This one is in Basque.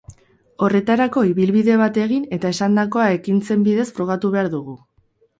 Horretarako ibilbide bat egin eta esandakoa ekintzen bidez frogatu behar dugu.